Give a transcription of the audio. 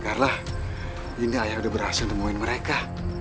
karena ini ayah udah berhasil nemuin mereka